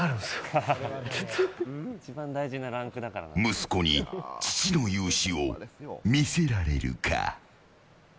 息子に父の雄姿を見せられるか。